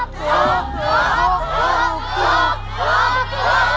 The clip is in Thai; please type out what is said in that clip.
ถูก